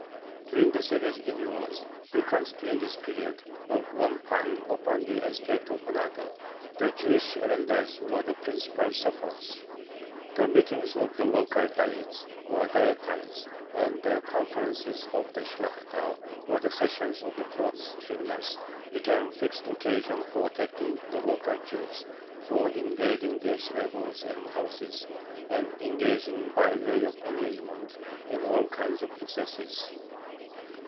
During the savage inroads, frequent during this period, of one pan upon the estate of another, the Jewish arendars were the principal sufferers. The meetings of the local Diets (or Dietines) and the conferences of the Shlakhta or the sessions of the court tribunals became fixed occasions for attacking the local Jews, for invading their synagogues and houses, and engaging, by way of amusement, in all kinds of "excesses."